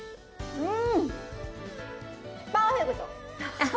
うん！